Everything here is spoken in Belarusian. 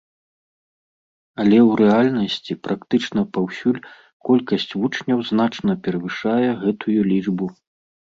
Але ў рэальнасці практычна паўсюль колькасць вучняў значна перавышае гэтую лічбу.